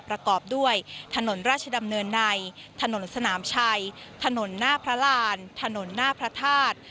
ประกอบด้วยถนนราชดำเนินในถนนสนามชัยถนนหน้าพระรานถนนหน้าพระธาตุ